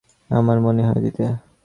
আমার মনে হয় দিতে।